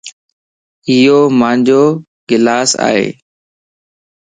ايو مانجو گلاس ائي